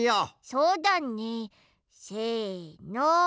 そうだねせの。